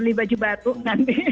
beli baju batu nanti